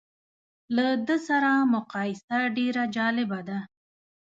له ده سره مقایسه ډېره جالبه ده.